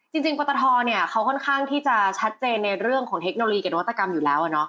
จริงปตทเขาค่อนข้างที่จะชัดเจนในเรื่องของเทคโนโลยีกับนวัตกรรมอยู่แล้ว